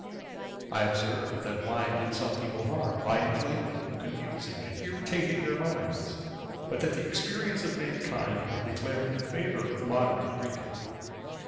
I observed, that wine did some people harm, by inflaming, confusing, and irritating their minds; but that the experience of mankind had declared in favour of moderate drinking.